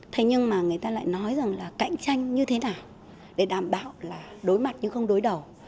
thế nhưng mà người ta lại nói rằng là cạnh tranh như thế nào để đảm bảo là đối mặt nhưng không đối đầu